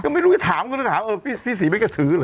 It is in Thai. ก็ไม่รู้ก็ถามก็ถามพี่ศรีเป็นกระสือเหรอ